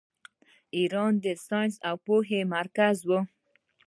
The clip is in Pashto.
ایران د ساینس او پوهې مرکز و.